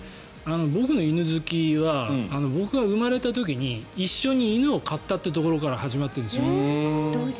僕の犬好きは僕が生まれた時に一緒に犬を飼ったところから始まってるんですよ。